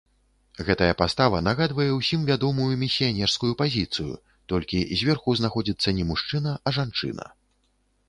Гэтая пастава нагадвае ўсім вядомую місіянерскую пазіцыю, толькі зверху знаходзіцца не мужчына, а жанчына.